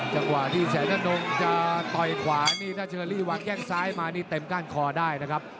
จังหวะที่แสนทะนงจะต่อยขวานี่ถ้าเชอรี่วางแข้งซ้ายมานี่เต็มก้านคอได้นะครับ